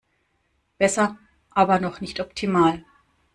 Besser, aber noch nicht optimal.